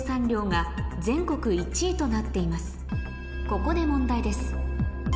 ここで問題です